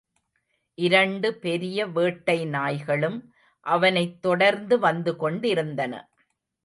இரண்டு பெரிய வேட்டைநாய்களும் அவனைத் தொடர்ந்து வந்துகொண்டிருந்தன.